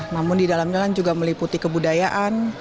namun di dalamnya kan juga meliputi kebudayaan